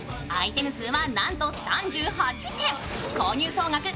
アイテム数はなんと３８点、購入総額